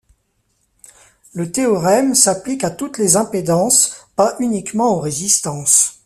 Le théorème s'applique à toutes les impédances, pas uniquement aux résistances.